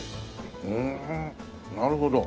うんなるほど。